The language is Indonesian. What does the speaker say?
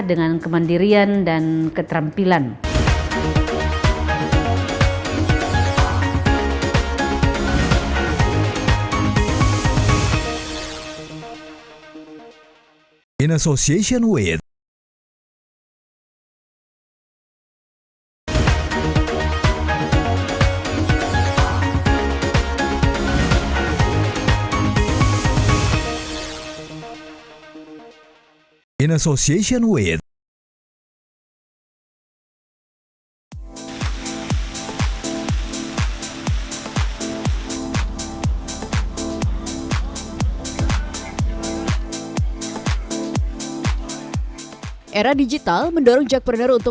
untuk mendadakan kehadiran dan kemudiannya